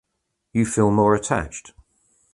You feel more attached.